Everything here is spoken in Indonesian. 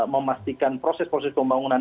memastikan proses proses pembangunan